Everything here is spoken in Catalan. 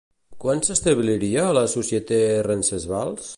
Quan s'establiria La Société Rencesvals?